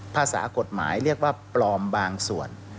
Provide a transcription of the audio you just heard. ภาษากฎหมายเรียกว่าปลอมบางส่วน